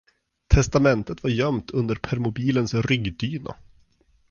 Testamentet var gömt under permobilens ryggdyna.